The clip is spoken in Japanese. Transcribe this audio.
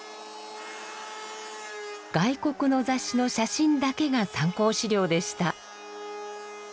外国の雑誌の写真だけが参考資料でした。